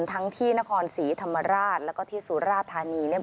ทั้งที่นครศรีธรรมราชแล้วก็ที่ศูนย์ราชธานี